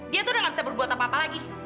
dia tuh udah gak bisa berbuat apa apa lagi